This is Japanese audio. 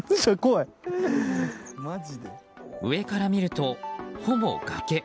上から見ると、ほぼ崖。